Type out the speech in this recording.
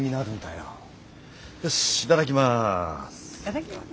よしいただきます。